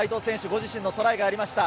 ご自身のトライがありました。